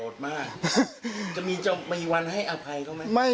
จะมีจะมีวันให้อภัยเขาไหม